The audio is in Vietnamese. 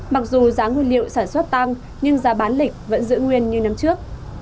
mặc dù giá nguyên liệu sản xuất tăng nhưng giá bán lịch vẫn giữ nguyên như năm trước